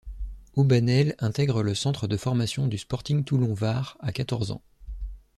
Aubanel intègre le centre de formation du Sporting Toulon Var à quatorze ans.